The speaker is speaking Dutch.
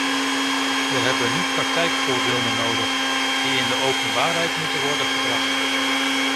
We hebben nu praktijkvoorbeelden nodig, die in de openbaarheid moeten worden gebracht.